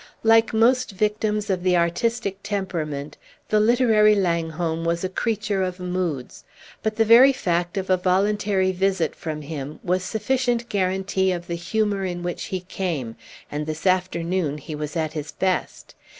Like most victims of the artistic temperament, the literary Langholm was a creature of moods; but the very fact of a voluntary visit from him was sufficient guarantee of the humor in which he came, and this afternoon he was at his best.